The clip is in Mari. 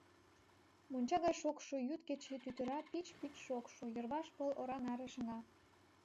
Монча гай шокшо, йӱд-кече тӱтыра, пич-пич шокшо, йырваш пыл ора наре шыҥа.